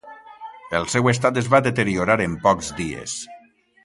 El seu estat es va deteriorar en pocs dies.